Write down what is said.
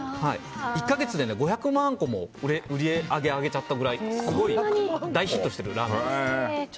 １か月で５００万個も売り上げちゃったくらい大ヒットしてるラーメンです。